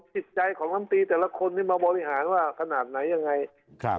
จิตใจของลำตีแต่ละคนที่มาบริหารว่าขนาดไหนยังไงครับ